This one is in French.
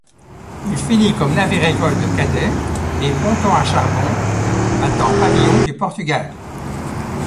Il finit comme navire-école de cadets et ponton à charbon battant pavillon du Portugal.